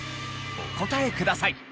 お答えください。